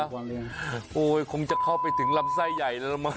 โอ้โหคงจะเข้าไปถึงลำไส้ใหญ่แล้วละมั